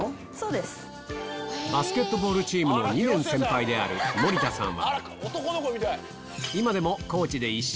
バスケットボールチームの２年先輩である森田さん